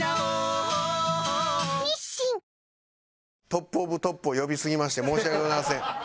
トップオブトップを呼びすぎまして申し訳ございません。